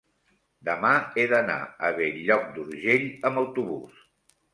demà he d'anar a Bell-lloc d'Urgell amb autobús.